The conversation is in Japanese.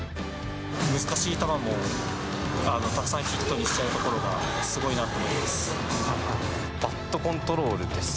難しい球もたくさんヒットにしちゃうところがすごいなと思います。